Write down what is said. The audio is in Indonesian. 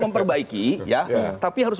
memperbaiki ya tapi harus